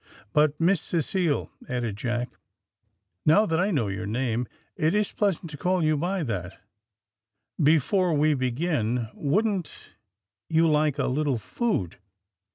"But, Miss Cecile," added Jack, "now I know your name, it is pleasant to call you by it; before we begin, wouldn't you like a little food?